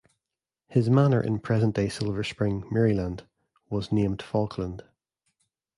His manor in present-day Silver Spring, Maryland was named Falkland.